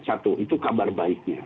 satu itu kabar baiknya